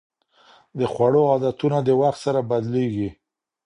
د خوړو عادتونه د وخت سره بدلېږي.